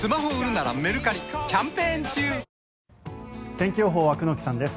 天気予報は久能木さんです。